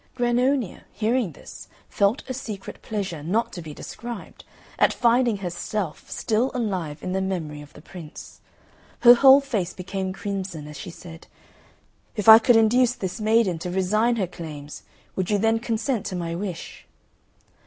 Grannonia, hearing this, felt a secret pleasure not to be described at finding herself still alive in the memory of the Prince. Her whole face became crimson as she said, "If I could induce this maiden to resign her claims, would you then consent to my wish?"